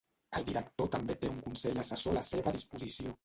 El director també té un consell assessor a la seva disposició.